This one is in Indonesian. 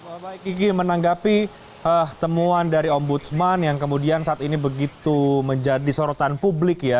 bapak iki menanggapi temuan dari om budsman yang kemudian saat ini begitu menjadi sorotan publik ya